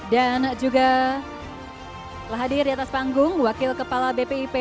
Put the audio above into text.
dan juga telah hadir di atas panggung wakil kepala bpip